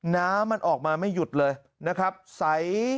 น้ำมันออกมาไม่หยุดเลยนะครับใส